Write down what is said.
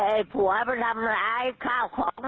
ไอ้ผัวมันทำร้ายข้าวของหมดเนี่ย